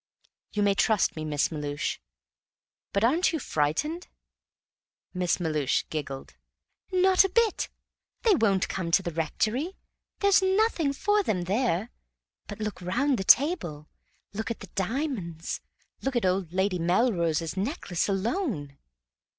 "You may trust me, Miss Melhuish. But aren't you frightened?" Miss Melhuish giggled. "Not a bit! They won't come to the rectory. There's nothing for them there. But look round the table: look at the diamonds: look at old Lady Melrose's necklace alone!"